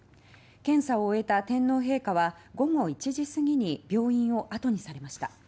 検査を終えた天皇陛下は午後１時過ぎに病院を後にされました。